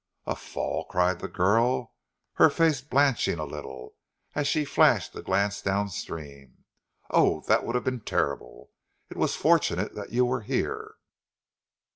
"A fall?" cried the girl, her face blanching a little, as she flashed a glance downstream. "Oh, that would have been terrible! It was fortunate that you were here."